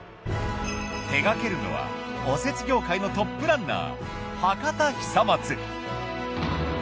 手がけるのはおせち業界のトップランナー。